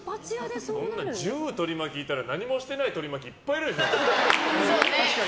１０、取り巻きいたら何もしてない取り巻きいっぱいいたでしょ。